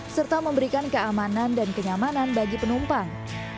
serta memberikan keamanan dan kenyamanan bagi penumpang